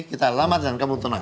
kita lama dan kamu tenang